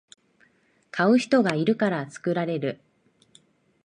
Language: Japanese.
買う人がいるから作られる